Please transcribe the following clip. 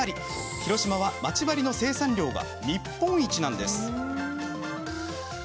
広島は、まち針の生産量が日本一なんです。